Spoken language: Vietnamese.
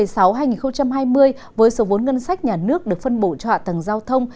sơ đoạn hai nghìn một mươi sáu hai nghìn hai mươi với số vốn ngân sách nhà nước được phân bộ cho hạ tầng giao thông